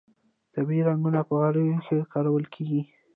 طبیعي رنګونه په غالیو کې کارول کیږي